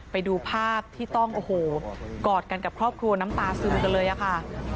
ไปดูภาพที่ต้องโอ้โหกอดกันกับครอบครัวน้ำตาซึมกันเลยอะค่ะ